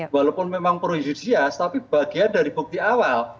walaupun memang proyusias tapi bagian dari bukti awal